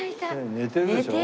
寝てるでしょう？